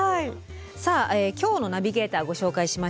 さあ今日のナビゲーターご紹介しましょう。